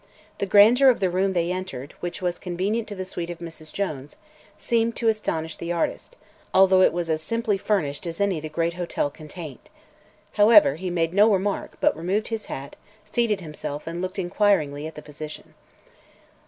The grandeur of the room they entered, which was convenient to the suite of Mrs. Jones, seemed to astonish the artist, although it was as simply furnished as any the great hotel contained. However, he made no remark but removed his hat, seated himself, and looked inquiringly at the physician.